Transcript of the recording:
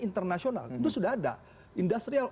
internasional itu sudah ada industrial